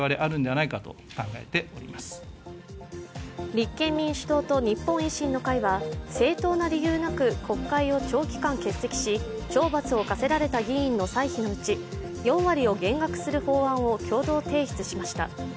立憲民主党と日本維新の会は正当な理由なく国会を長期間欠席し懲罰を科せられた議員の歳費のうち４割を減額する法案を共同提出しました。